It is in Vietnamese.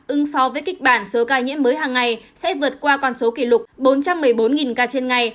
ứng phó với kịch bản số ca nhiễm mới hàng ngày sẽ vượt qua con số kỷ lục bốn trăm một mươi bốn ca trên ngày